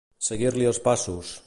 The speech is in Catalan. Seguir-li els passos.